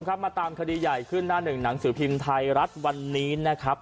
มาตามคดีใหญ่ขึ้นหน้าหนึ่งหนังสือพิมพ์ไทยรัฐวันนี้นะครับ